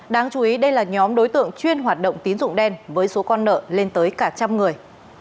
đáng chú ý đây là nhóm đối tượng chuyên hoạt động tín dụng đen với số con nợ lên tới cả trăm người